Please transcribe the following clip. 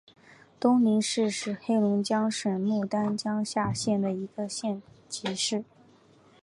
东宁市是黑龙江省牡丹江市下辖的一个县级市。